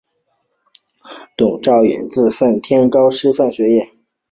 佟兆元自奉天高等师范学校毕业。